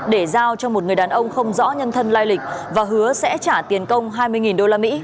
để giao cho một người đàn ông không rõ nhân thân lai lịch và hứa sẽ trả tiền công hai mươi usd